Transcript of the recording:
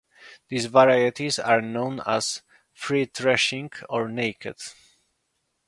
These varieties are known as "free-threshing" or "naked".